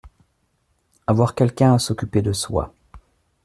Avoir quelqu’un à s’occuper de soi.